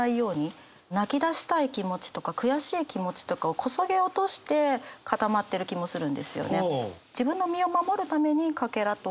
泣きだしたい気持ちとか悔しい気持ちとかをこそげ落としてかたまってる気もするんですよね。